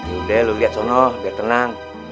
yaudah lu lihat sonoh biar tenang